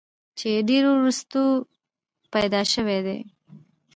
چې ډېر وروستو پېدا شوی دی